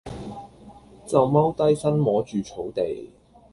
就踎低身摸住草地